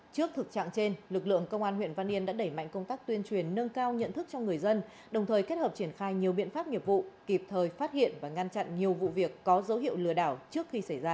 trước thực trạng trên lực lượng công an huyện văn yên đã đẩy mạnh công tác tuyên truyền nâng cao nhận thức cho người dân đồng thời kết hợp triển khai nhiều biện pháp nghiệp vụ kịp thời phát hiện và ngăn chặn nhiều vụ việc có dấu hiệu lừa đảo trước khi xảy ra